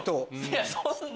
いやそんな。